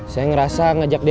saya ngerasa ngajak dia